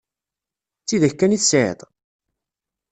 D tidak kan i tesɛiḍ?